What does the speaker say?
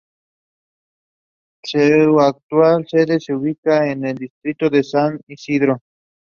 Su actual sede está ubicada en el distrito de San Isidro.